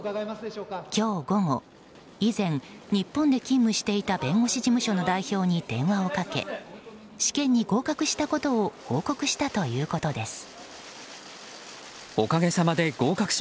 今日午後、以前日本で勤務していた弁護士事務所の代表に電話をかけ試験に合格したことを報告したということです。